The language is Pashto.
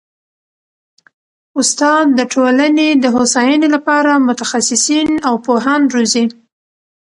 استاد د ټولني د هوسايني لپاره متخصصین او پوهان روزي.